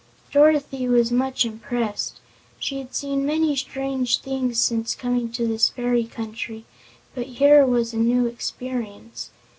Dorothy was much impressed. She had seen many strange things since coming to this fairy country, but here was a new experience.